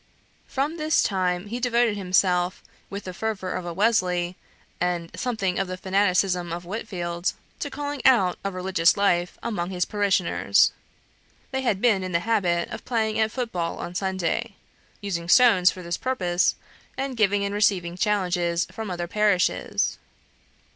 From this time he devoted himself, with the fervour of a Wesley, and something of the fanaticism of a Whitfield, to calling out a religious life among his parishioners. They had been in the habit of playing at foot ball on Sunday, using stones for this purpose; and giving and receiving challenges from other parishes.